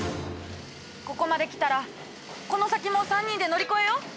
ここまできたらこの先も３人で乗り越えよう！